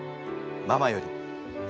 ママより」。